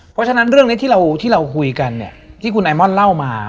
เพราะฉะนั้นเรื่องนี้ที่เราคุยกันเนี่ยที่คุณไอมอนเล่ามา